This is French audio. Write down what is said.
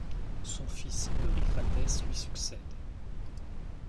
Son fils Eurycratès lui succède.